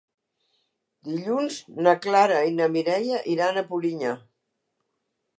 Dilluns na Clara i na Mireia iran a Polinyà.